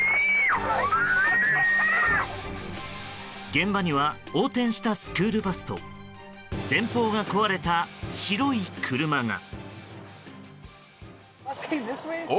現場には横転したスクールバスと前方が壊れた白い車が。